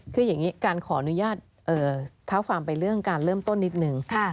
คืออย่างนี้การขออนุญาตเท้าฟาร์มไปเรื่องการเริ่มต้นนิดนึง